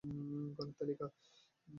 গানের তালিকা